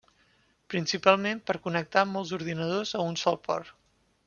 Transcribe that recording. Principalment, per connectar molts ordinadors a un sol port.